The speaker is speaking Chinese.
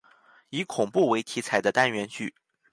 以恐怖为题材的单元剧。